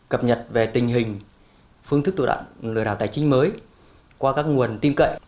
cập nhật về tình hình phương thức tụ đoạn lừa đảo tài chính mới qua các nguồn tin cậy